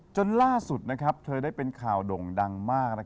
จนล่าสุดเธอได้เป็นข่าวด่งดังมาก